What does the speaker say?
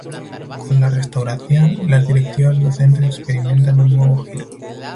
Con la Restauración, las directivas docentes experimentan un nuevo giro.